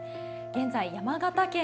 現在山形県